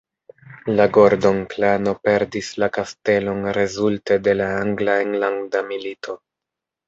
La Gordon-klano perdis la kastelon rezulte de la angla enlanda milito.